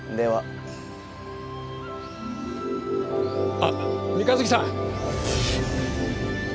あっ三日月さん。